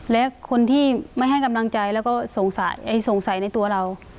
และคนที่ไม่ให้กำลังใจแล้วก็สงสัยในตัวเรา